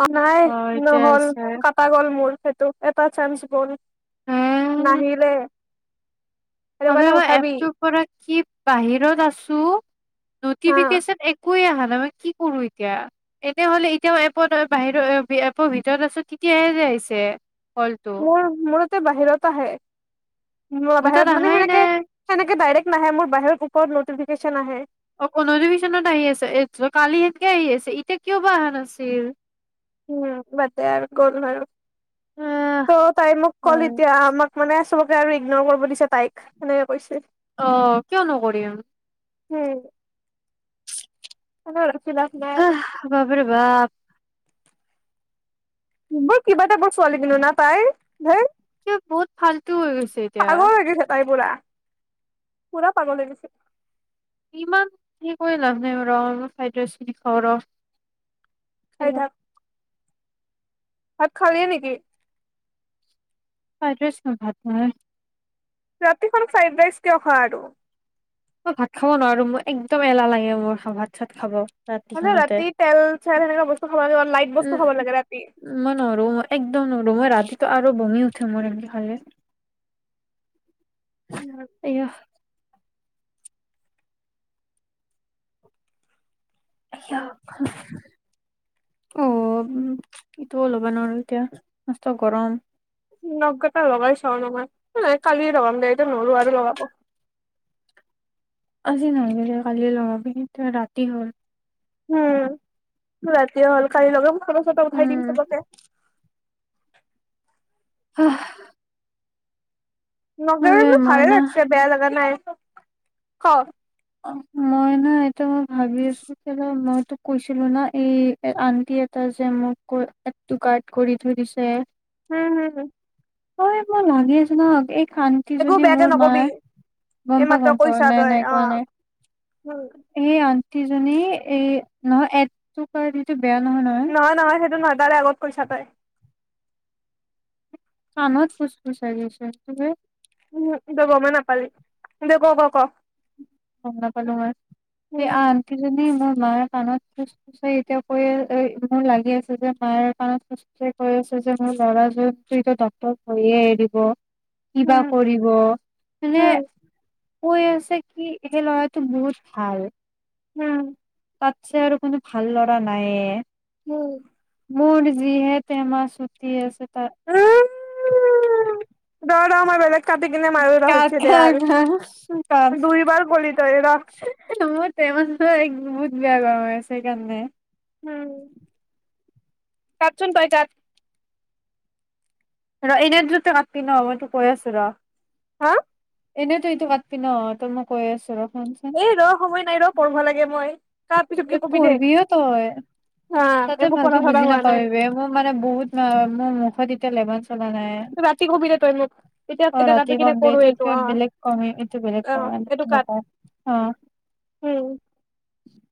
অ নাই অ', এতিয়া নহ'ল আহিছে কাটা গল মূল সেইটো এটা চান্স গ'ল নাহিলে সেইটো আমি কাৰণে ভাবো কি উঠাবি এপটো পৰা কি বাহিৰত আছো হা নতিফিকেচন একোই অহা নাই মই কি কৰো এতিয়া এনে হলে এতিয়াও এপত বাহিৰৰ এপৰ ভিতৰত আছো তেতিয়াহে যে আহিছে কলটো মোৰ মোৰ বাহিৰত আহে মোৰ তাত বাহিৰত মানে আহাই সেনেকে নাই। সেনেকে দাইৰেক নাহে মোৰ বাহিৰৰ ওপৰত নটিফিকেশচন আহে অ কোধভিশনত আহি আছে এই কালি সেনকে আহি আছে এতিয়া কিয় বা অহা নাছিল উম বোৰ গ'ল মাৰ আহ, ত' তাই মোক কল হয় এতিয়া আমাক মানে চবকে আৰু ইগন কৰিব দিছে তাইক সেনেকে কৈছে অ কিয় নকৰিম হম অ আহ বাপৰে বাপ বোৰ কিবা এটা বৰ ছোৱালী কিনু ন পাই হ এ বহুত ফালতটো হৈ গৈছে এতিয়া পূৰা পাগল হৈ গৈছে ইমান সনেকৈ লাভ নাই ৰ ইমান ফ্ৰাইড ৰাইচ খিনি খাওঁ ৰ খাই স থাক ভাত খালিই নেকি ফ্ৰাইৰাইচ খাম ভাত ৰাতিখন ফ্ৰাইড ৰাইচ কিয় খ আৰু মই ভাত খাব নোৱাৰো মোৰ একদম এলাহ লাগে মোৰ ভাত চাত খাব মানে ৰাতিখনতে। ৰাতি তেল চেল সেনেকুৱা বস্তু খাব লাগে লাইট বস্তু খাব লাগে ৰাতি। উম মই নোৱাৰো ম‌ই একদম নোৱাৰো মই ৰাতিটো আৰু বমিও‌ হয়। টো মূৰৰ বিষ হলে উম। অ উ ইটোও লব নোৱাৰ এতিয়া। মষ্ট গৰম। নখ কেইটা লগাই চাও ৰবা। নহয় এ কালিয়ে লগাম দে এইটো নল‌ওঁ আৰু লগাব। আজি নালাগে, কালিয়ে লগাবি। এতিয়া ৰাতি হল। উম ৰাতি হ'ল কাইলে লগাম। খচত এটা উঠাই দিম উম চবকে। নাই [inaudible] আহ্ নলগালো ভালে না লাগছে, বেয়া লগা নাই। ক! মই না এতিয়া মই ভাবি আছো কেলে মইতো কৈছিলো না এই আন্টি এটাই যে মোক কৈ এদ টো কাৰ্ট কৰি থৈ দিছে। হম হম হম। এ মোৰ ভনী এজনীৰো আগেই আন্তী একো জনী বেয়াকে মোৰ নকবি মাৰ এই গম পা মাত্ৰ গম পা কৈছা নাই তই অ নাই কোৱা নাই উম। আণ্টি জনী এ নহয় এড টু কাৰ্ট এইটো নহয় নহয় সেইটো নহয়। তাৰে আগত কৈছা তই। কানত ফুচ ফুচাই আছে, সেইটোহে উম, তই গমে নাপালি, দে ক ক ক। গম নাপালো মই, সেই উম আণ্টি জনী মোৰ মায়ে কাণত ফুচ ফুচাই এতিয়া কৈ মোৰ লাগি আছে যে মাৰ কানত ফুচ ফুচাই কৈ আছে যে মোৰ লৰা জন টো এতিয়া ডক্টৰ পঢ়িহে এৰিব। কি বা উম কৰিব, মানে উম কৈ আছে কি? সেই ল'ৰাটো বহুত ভাল। উম। তাতছে আৰু কোনো ভাল ল'ৰা নায়েই। উম। মোৰ যিহে তেমা চুতি আছে তাৰ উম, ৰ, ৰ, মই বেলেগ কাটি কিনে মাৰো ৰহ কাৰ [unintelligible] দে কাৰ আৰু কাৰ কাৰ দুই বাৰ ক'লি তই ৰহ। মোৰ টেমা বহুত বেয়া গৰম হৈ আছে, সেইকাৰণে উম। কাটচোন তই কাট। ৰ এনে দ্ৰুতে কাটি ন মই তোক কৈ আছো ৰ। হা? এনেই তই এইটো কাতবি ন? তই মই কৈ আছো ৰ। শুনচোন এ ৰ সময় নাই ৰ পঢ়িব লাগে মই। কাট পিছতকে এ কবি দে পঢ়বিও তই, হা তাতে একো পঢ়া ভালকে চঢ়া বুজি হোৱা নাই নাপাবিবি বে মোৰ মানে বহুত আহ উম [unintelligible] [unintelligible] নাই ৰাতি কবি দে তই মোক এতিয়া অ এতিয়া ৰাতি কাটি কিনে কম দে কৰো এইটো কিবা অ বেলেগ কমেই এইটো বেলেগ অ কম এইটো কাট নকও অ উম